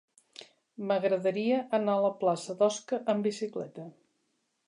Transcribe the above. M'agradaria anar a la plaça d'Osca amb bicicleta.